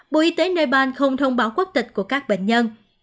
bộ y tế nepal không thông báo quốc tịch của các bệnh nhân